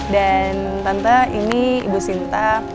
dan tante ini ibu sinta